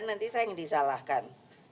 nanti saya yang disalahkan